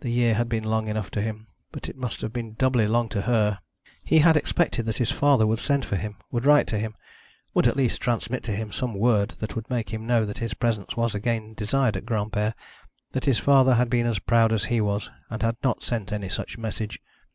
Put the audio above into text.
The year had been long enough to him, but it must have been doubly long to her. He had expected that his father would send for him, would write to him, would at least transmit to him some word that would make him know that his presence was again desired at Granpere. But his father had been as proud as he was, and had not sent any such message.